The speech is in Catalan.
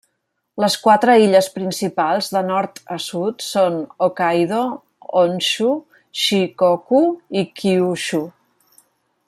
Les quatre illes principals, de nord a sud, són Hokkaido, Honshu, Shikoku i Kyushu.